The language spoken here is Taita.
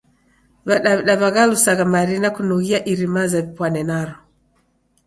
W'adaw'ida w'aghalusagha marina kunughia iri maza w'ipwane naro.